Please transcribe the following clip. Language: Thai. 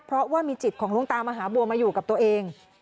เพราะว่ามีจิตของหลวงตามหาบัวมาอยู่กับตัวเอง